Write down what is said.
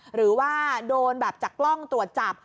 หรือว่าโดนแบบจากกล้องตรวจจับ